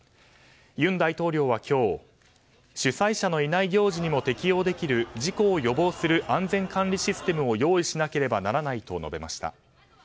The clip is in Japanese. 尹大統領は今日主催者のいない行事にも適用できる事故を予防する安全管理システムを用意しなければならないと述べました。